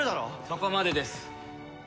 そこまでです。